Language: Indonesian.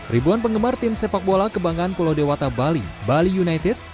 ribuan penggemar tim sepak bola kebanggaan pulau dewata bali bali united